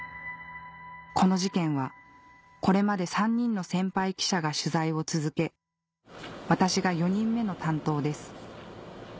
この事件はこれまで３人の先輩記者が取材を続け私が４人目の担当です